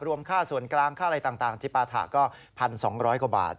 ค่าส่วนกลางค่าอะไรต่างที่ปาถะก็๑๒๐๐กว่าบาท